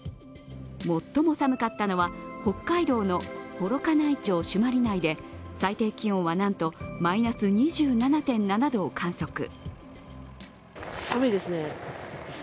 最も寒かったのは北海道の幌加内町朱鞠内で最低気温はなんとマイナス２７．７度を観測。